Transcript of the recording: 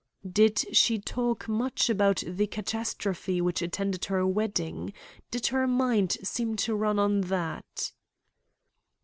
"Did she talk much about the catastrophe which attended her wedding? Did her mind seem to run on that?"